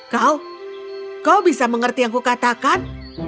kau kau bisa mengerti yang kukatakan